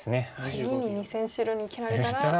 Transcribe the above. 次に２線白に切られたら。